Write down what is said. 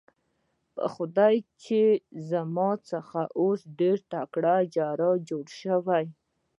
په خدای چې زما څخه اوس ډېر تکړه جراح جوړ شوی.